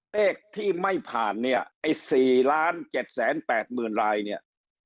เลขที่ไม่ผ่านเนี่ยไอ้๔๗๘๐๐๐รายเนี่ย